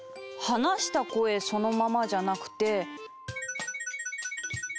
「話した声そのままじゃなくて」。